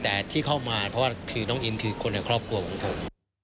แต่ที่เข้ามาเพราะว่าคือน้องอินคือคนในครอบครัวของผม